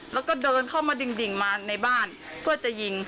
แล้วก็เดินเข้ามาดิ่งมาในบ้านเพื่อจะยิง